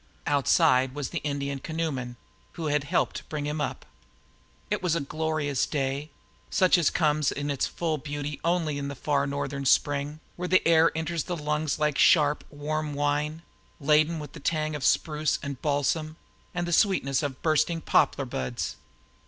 Outside was the Indian canoeman who had helped to bring him up. It was a glorious day, such as comes in its full beauty only in the far northern spring, where the air enters the lungs like sharp, warm wine, laden with the tang of spruce and balsam, and the sweetness of the bursting poplar buds.